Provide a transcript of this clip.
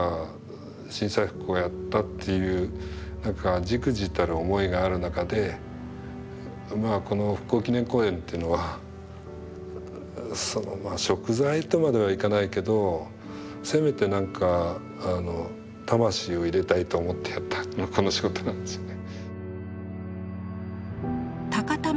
震災復興をやったっていう忸怩たる思いがある中でこの復興記念公園っていうのは贖罪とまではいかないけどせめて何か魂を入れたいと思ってやったのがこの仕事なんですね。